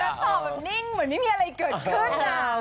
ตอบแบบนิ่งเหมือนไม่มีอะไรเกิดขึ้น